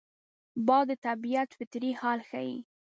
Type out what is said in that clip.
باد د طبیعت فطري حال ښيي